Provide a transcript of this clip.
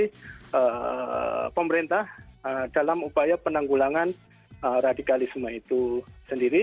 dan juga konsistensi pemerintah dalam upaya penanggulangan radikalisme itu sendiri